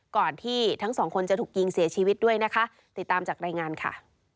ก่อนที่ทั้งสองคนจะถูกยิงเสียชีวิตด้วยนะคะติดตามจากรายงานค่ะ